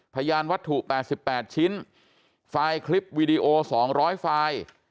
พยานวัตถุ๘๘ชิ้นไฟล์คลิปวีดีโอ๒๐๐ไฟล์